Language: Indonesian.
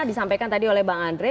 disampaikan tadi oleh bang andre